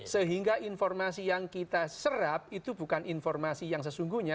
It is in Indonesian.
sehingga informasi yang kita serap itu bukan informasi yang sesungguhnya